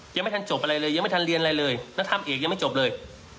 ยังไม่ทันจบอะไรเลยยังไม่ทันเรียนอะไรเลยแล้วทำอีกยังไม่จบเลย